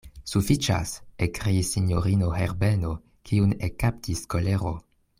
Sufiĉas, ekkriis sinjorino Herbeno, kiun ekkaptis kolero.